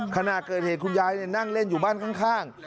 ขณะเกิดเหตุคุณยายนั่งเล่นอยู่บ้านข้าง